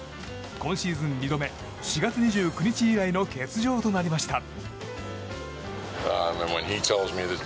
今シーズン２度目４月２９日以来の欠場となりました。